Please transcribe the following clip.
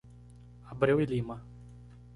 Abreu e Lima